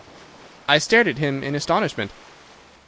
"I stared at him in astonishment.